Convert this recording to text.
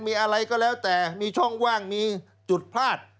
มีอะไรก็แล้วแต่มีช่องว่างมีจุดพลาด